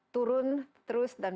turun terus dan